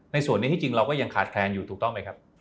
ส่วนนี้ที่จริงเราก็ยังขาดแคลนอยู่ถูกต้องไหมครับ